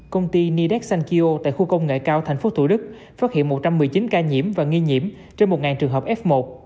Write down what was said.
công ty nidex sankeo tại khu công nghệ cao thành phố thủ đức phát hiện một trăm một mươi chín ca nhiễm và nghi nhiễm trên một trường hợp f một